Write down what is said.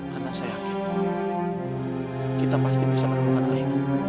karena saya yakin kita pasti bisa menemukan alina